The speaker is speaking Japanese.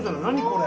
これ。